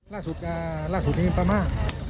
ล่าสุดนี้ป้าม่า